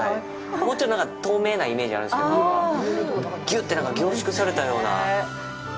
もうちょっと透明なイメージあるんですけどぎゅって凝縮されたような。